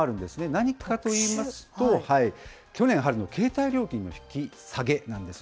何かといいますと、去年春の携帯料金の引き下げなんです。